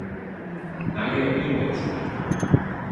Nije e-mail skriuwe.